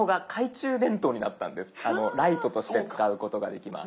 ライトとして使うことができます。